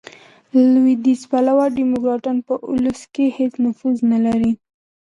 لوېدیځ پلوه ډیموکراټان، په اولسو کښي هیڅ نفوذ نه لري.